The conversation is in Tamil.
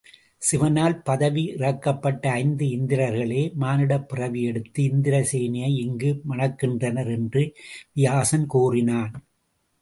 சிவனால் பதவி இறக்கப்பட்ட ஐந்து இந்திரர்களே மானுடப்பிறவி எடுத்து இந்திரசேனையை இங்கு மணக்கின்றனர் என்று வியாசன் கூறினான்.